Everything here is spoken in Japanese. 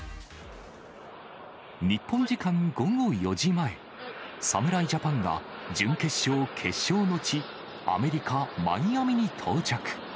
日本時間午後４時前、侍ジャパンが準決勝、決勝の地、アメリカ・マイアミに到着。